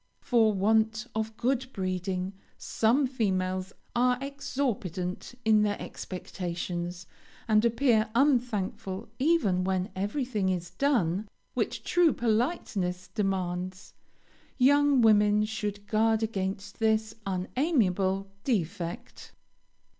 For want of good breeding some females are exorbitant in their expectations, and appear unthankful even when everything is done which true politeness demands. Young women should guard against this unamiable defect.